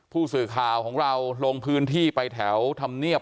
ผู้สื่อข่าวของเราลงพื้นที่ไปแถวธรรมเนียบ